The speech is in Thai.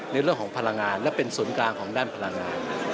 ในเรื่องของพลังงานและเป็นศูนย์กลางของด้านพลังงาน